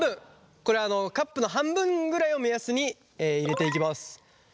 これあのカップの半分ぐらいを目安に入れていきます。